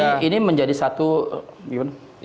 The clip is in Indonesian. jadi ini menjadi satu gimana